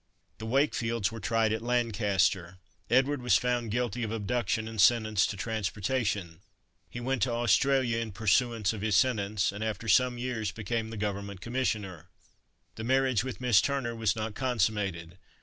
The Wakefields were tried at Lancaster. Edward was found guilty of abduction and sentenced to transportation. He went to Australia in pursuance of his sentence, and after some years became the Government commissioner. The marriage with Miss Turner was not consummated.